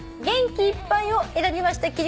「元気いっぱい」を選びました